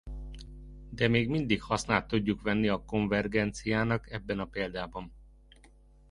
De még mindig hasznát tudjuk venni a konvergenciának ebben a példában.